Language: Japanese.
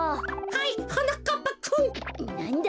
はいはなかっぱくん。